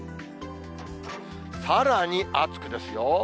さらに暑くですよ。